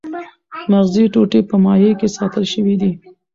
مغزي ټوټې په مایع کې ساتل شوې دي.